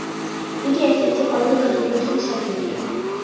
იგი ერთ-ერთი ყველაზე გადატვირთული სადგურია.